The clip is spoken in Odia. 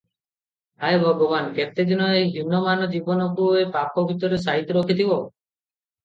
ହାୟ ଭଗବାନ୍- କେତେଦିନ ଏ ହିନମାନ ଜୀବନକୁ ଏ ପାପ ଭିତରେ ସାଇତି ରଖିଥିବ ।